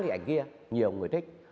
thì ảnh kia nhiều người thích